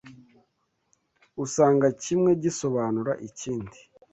usanga kimwe gisobanura ikindi